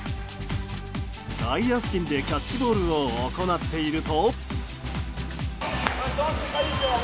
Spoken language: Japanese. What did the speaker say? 外野付近でキャッチボールを行っていると。